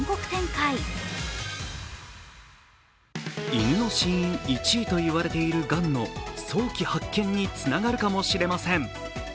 犬の死因１位と言われているがんの早期発見につながるかもしれません。